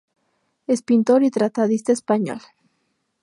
Es pintor y tratadista español.